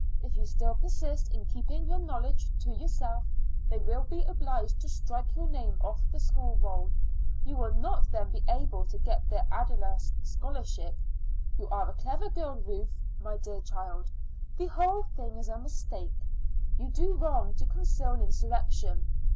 If you still persist in keeping your knowledge to yourself they will be obliged to strike your name off the school roll. You will not then be able to get the Ayldice Scholarship. You are a clever girl, Ruth. My dear child, the whole thing is a mistake. You do wrong to conceal insurrection.